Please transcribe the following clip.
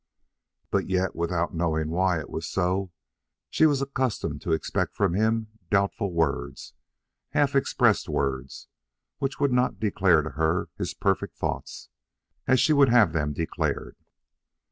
But yet, without knowing why it was so, she was accustomed to expect from him doubtful words, half expressed words, which would not declare to her his perfected thoughts as she would have them declared.